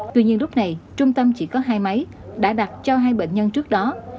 tuy nhiên lúc này trung tâm chỉ có hai máy đã đặt cho hai bệnh nhân trước đó